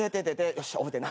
よし。